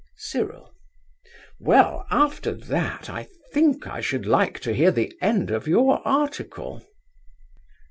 CYRIL. Well, after that I think I should like to hear the end of your article.